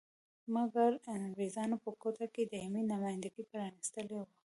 مګر انګریزانو په کوټه کې دایمي نمایندګي پرانیستلې وه.